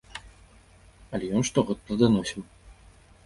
Але ж ён штогод пладаносіў.